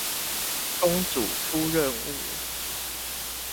公主出任務